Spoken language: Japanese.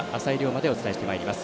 馬でお伝えしてまいります。